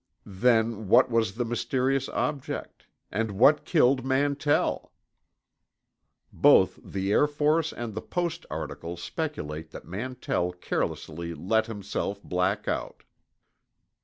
Then what was the mysterious object? And what killed Mantell? Both the Air Force and the Post articles speculate that Mantell carelessly let himself black out.